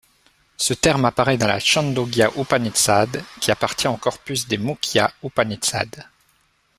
Ce terme apparaît dans la Chāndogya Upaniṣad qui appartient au corpus des Mukhya Upaniṣad.